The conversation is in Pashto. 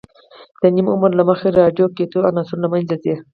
د نیم عمر له مخې رادیواکتیو عناصر له منځه ځي.